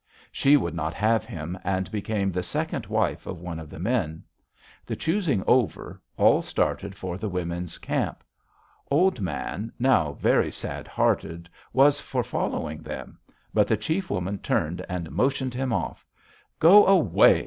She would not have him, and became the second wife of one of the men. The choosing over, all started for the women's camp. Old Man, now very sad hearted, was for following them; but the chief woman turned and motioned him off. 'Go away.